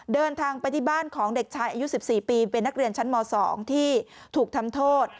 เดินทางไปที่บ้านของเด็กชายอายุ๑๔ปีเป็นนักเรียนชั้นม๒ที่ถูกทำโทษ